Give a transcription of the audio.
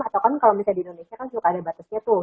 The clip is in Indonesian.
atau kan kalau misalnya di indonesia kan suka ada batasnya tuh